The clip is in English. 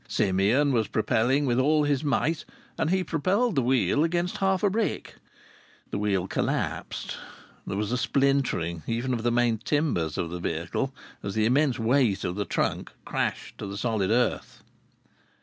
Simeon was propelling with all his might, and he propelled the wheel against half a brick. The wheel collapsed. There was a splintering even of the main timbers of the vehicle as the immense weight of the trunk crashed to the solid earth.